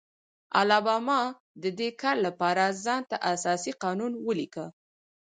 الاباما د دې کار لپاره ځان ته اساسي قانون ولیکه.